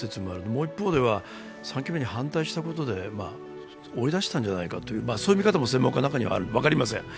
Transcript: もう一方では、３期目に反対したことで追い出したんじゃないかそういう見方も専門家の中にはある、分かりません。